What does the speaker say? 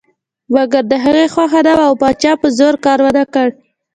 مګر د هغې خوښه نه وه او پاچا په زور کار ونه کړ.